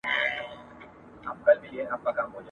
سفر د انسان فکر پراخوي.